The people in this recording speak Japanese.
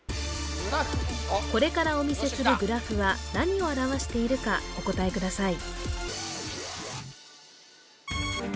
これからお見せするグラフは何を表しているかお答えください